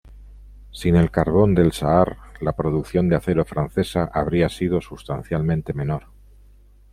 Sin el carbón del Saar, la producción de acero francesa habría sido sustancialmente menor.